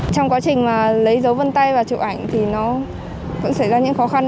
trong quá trình mà lấy dấu vân tay và chụp ảnh thì nó vẫn xảy ra những khó khăn